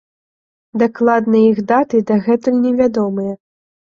Дакладныя іх даты дагэтуль невядомыя.